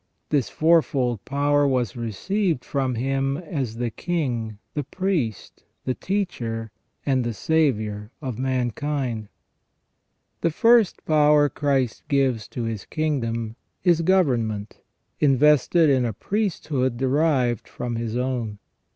This fourfold power was received from Him as the King, the Priest, the Teacher, and the Saviour of mankind. The first power Christ gives to His kingdom is government, invested in a priesthood derived from His own.